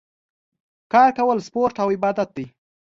کار کول سپورټ او عبادت دی